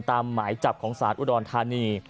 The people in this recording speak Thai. ตามหมายจับของศาสน์อุดรธานี